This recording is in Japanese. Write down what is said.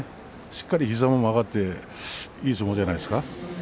しっかり膝が曲がっていい相撲じゃないですか。